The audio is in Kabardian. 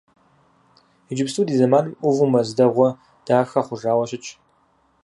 Иджыпсту ди зэманым ӏуву мэз дэгъуэ, дахэ хъужауэ щытщ.